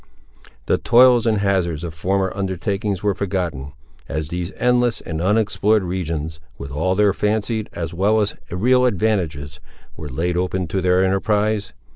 The toils and hazards of former undertakings were forgotten, as these endless and unexplored regions, with all their fancied as well as real advantages, were laid open to their enterprise.